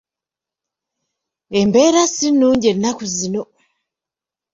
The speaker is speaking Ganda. Embeera si nnungi ennaku zino.